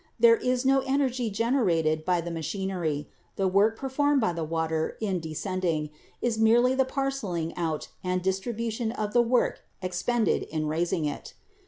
There is no energy generated by the machinery: the work performed by the water in descend ing is merely the parceling out and distribution of the work expended in raising it.